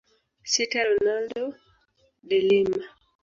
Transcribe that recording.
Sita Ronaldo de Lima